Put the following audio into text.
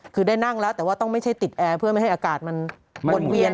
คือได้นั่งแล้วแต่ว่าต้องไม่ใช่ติดแอร์เพื่อไม่ให้อากาศมันวนเวียน